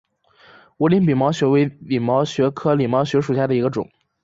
无柄鳞毛蕨为鳞毛蕨科鳞毛蕨属下的一个种。